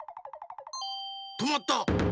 とまった！